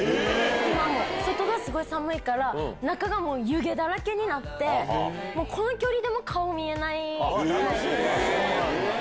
今も、外がすごい寒いから、中がもう、湯気だらけになって、この距離でも顔見えない。